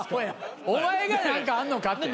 お前が何かあんのかって。